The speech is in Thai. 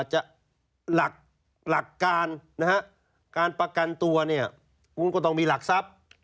หลักการประกันตัวนี่คุณก็ต้องมีหลักทรัพย์